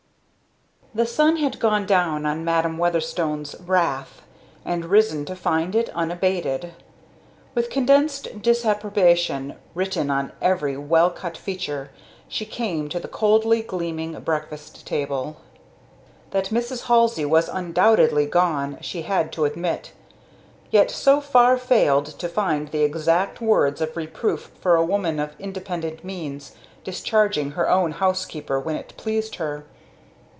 The sun had gone down on Madam Weatherstone's wrath, and risen to find it unabated. With condensed disapprobation written on every well cut feature, she came to the coldly gleaming breakfast table. That Mrs. Halsey was undoubtedly gone, she had to admit; yet so far failed to find the exact words of reproof for a woman of independent means discharging her own housekeeper when it pleased her.